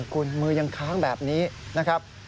คุณมือยังค้างแบบนี้นะครับ